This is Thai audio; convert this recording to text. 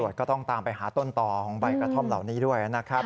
ก็ต้องตามไปหาต้นต่อของใบกระท่อมเหล่านี้ด้วยนะครับ